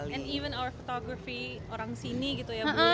dan bahkan fotografi orang sini gitu ya